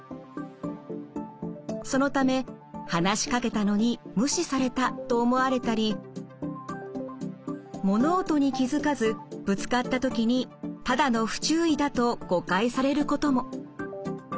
そのため話しかけたのに無視されたと思われたり物音に気付かずぶつかった時にただの不注意だと誤解されることも。